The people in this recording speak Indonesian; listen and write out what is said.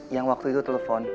yang waktu itu telepon